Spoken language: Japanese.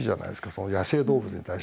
その野生動物に対して。